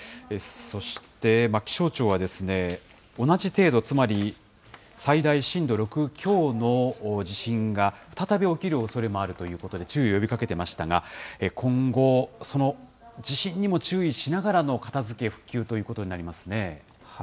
そして、気象庁は、同じ程度、つまり最大震度６強の地震が再び起きるおそれもあるということで、注意を呼びかけてましたが、今後、その地震にも注意しながらの片づけ、復旧ということになりますね。